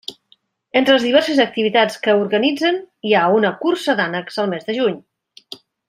Entre les diverses activitats que organitzen hi ha una cursa d'ànecs al mes de juny.